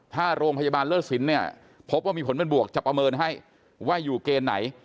ถ้าโรงพยาบาลเลิศสินเนี่ยพบว่ามีผลเป็นบวกจะประเมินให้ว่าอยู่เกณฑ์ไหน